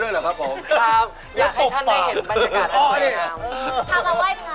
อยากให้ท่านได้เห็นบรรยากาศของเรา